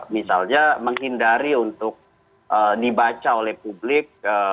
misalnya menghindari untuk dibaca oleh publik